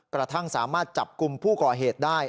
กระทั่งสามารถจับกลุ่มผู้ก่อเหตุได้